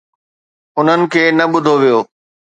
انهن کي نه ٻڌو ويو.